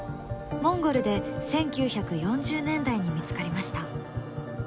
モンゴルで１９４０年代に見つかりました。